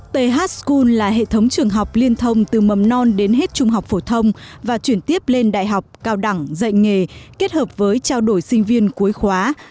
thqn là hệ thống trường học liên thông từ mầm non đến hết trung học phổ thông và chuyển tiếp lên đại học cao đẳng dạy nghề kết hợp với trao đổi sinh viên cuối khóa